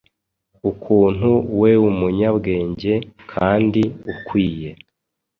Ukuntu weumunyabwenge kandi ukwiye